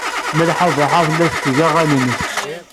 Malḥa Baḥa tella tetteg aɣan-nnes.